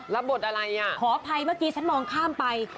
บทอะไรอ่ะขออภัยเมื่อกี้ฉันมองข้ามไป